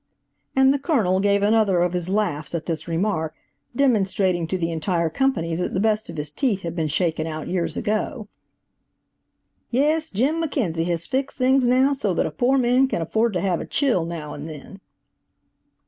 And the Colonel gave another of his laughs at this remark, demonstrating to the entire company that the best of his teeth had been shaken out years ago. "Yes, Jim McKenzie has fixed things now so that a poor man can afford to have a chill now and then."